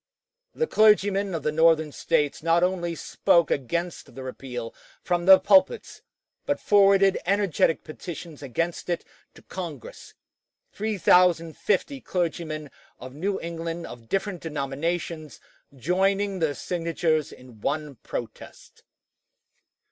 The clergymen of the Northern States not only spoke against the repeal from their pulpits, but forwarded energetic petitions against it to Congress, 3050 clergymen of New England of different denominations joining their signatures in one protest.